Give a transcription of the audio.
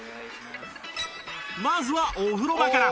まずはお風呂場から